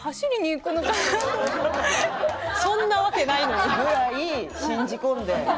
そんなわけないのに。ぐらい信じ込んで。